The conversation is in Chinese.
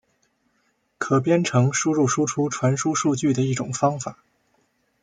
可编程输入输出传输数据的一种方法。